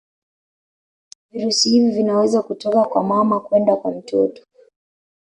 virusi hivi vinaweza kutoka kwa mama kwenda kwa mtoto